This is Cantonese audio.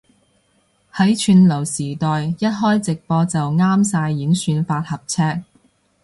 喺串流時代一開直播就啱晒演算法合尺